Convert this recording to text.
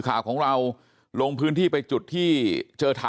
แล้วก็ยัดลงถังสีฟ้าขนาด๒๐๐ลิตร